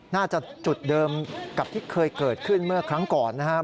น่าจะจุดเดิมกับที่เคยเกิดขึ้นเมื่อครั้งก่อนนะครับ